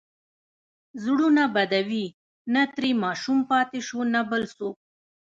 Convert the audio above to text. زړونه بدوي، نه ترې ماشوم پاتې شو، نه بل څوک.